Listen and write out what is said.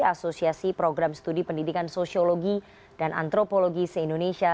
asosiasi program studi pendidikan sosiologi dan antropologi se indonesia